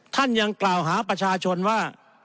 ท่านยังกล่าวหาประชาชนว่า